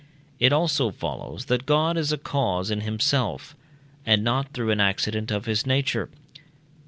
It also follows that God is a cause in himself, and not through an accident of his nature.